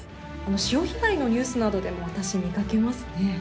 潮干狩りのニュースなどでも私見かけますね。